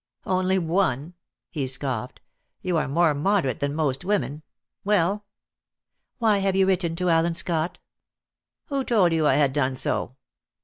"Only one?" he scoffed. "You are more moderate than most women. Well?" "Why have you written to Allen Scott?" "Who told you I had done so?"